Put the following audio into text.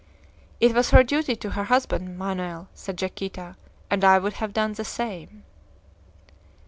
"It was her duty to her husband, Manoel," said Yaquita, "and I would have done the same."